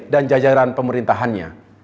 dan jajaran pemerintahannya